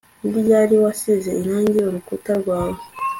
Ni ryari wasize irangi urukuta rwawe